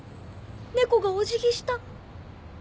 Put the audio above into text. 猫がお辞儀した。